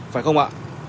phải không ạ